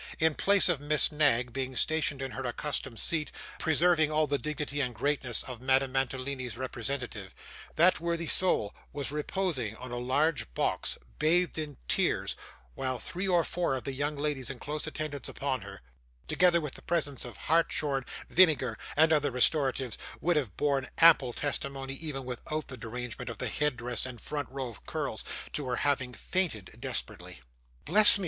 In place of Miss Knag being stationed in her accustomed seat, preserving all the dignity and greatness of Madame Mantalini's representative, that worthy soul was reposing on a large box, bathed in tears, while three or four of the young ladies in close attendance upon her, together with the presence of hartshorn, vinegar, and other restoratives, would have borne ample testimony, even without the derangement of the head dress and front row of curls, to her having fainted desperately. 'Bless me!